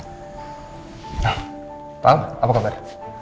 nah paham apa kabar